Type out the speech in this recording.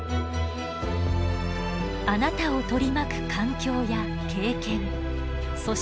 あなたを取り巻く環境や経験そして性ホルモン。